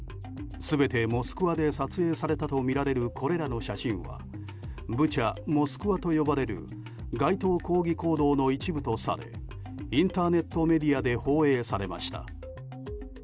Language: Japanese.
全てモスクワで撮影されたとみられるこれらの写真はブチャ・モスクワと呼ばれる街頭抗議行動の一部とされインターネットメディアで放映されました。